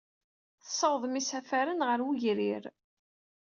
Tessawḍem isafaren ɣer wegrir.